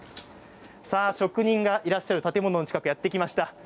さあ職人がいらっしゃる建物の近くにやって来ました。